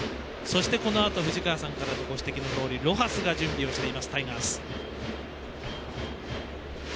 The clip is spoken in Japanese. このあと、藤川さんからのご指摘のとおりロハスが準備していますタイガース。